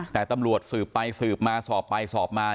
แต่ตำรวจสืบไปสืบมาสอบไปสอบมา